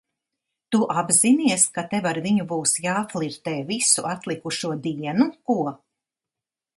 Tu apzinies, ka tev ar viņu būs jāflirtē visu atlikušo dienu, ko?